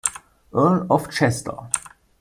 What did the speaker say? Earl of Chester.